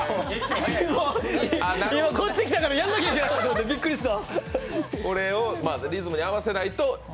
こっち来たからやらなきゃいけないかと思ってびっくりした。